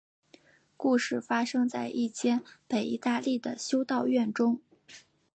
故事发生在一间北意大利的修道院中。